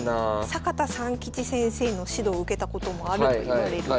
阪田三先生の指導を受けたこともあるといわれる。